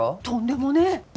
とんでもねえ。